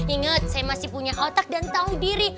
ingat saya masih punya otak dan tahu diri